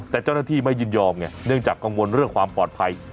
แต่เจ้าหน้าที่ไม่ยินยอมไงเนื่องจากกังวลเรื่องความปลอดภัย